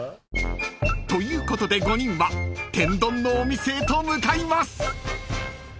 ［ということで５人は天丼のお店へと向かいます］